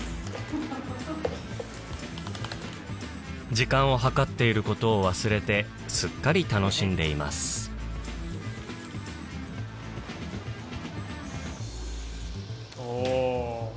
時間を計っていることを忘れてすっかり楽しんでいますおぉ。